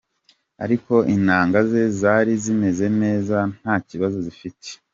Ariko intanga ze zari zimeze neza, nta kibazo zifite.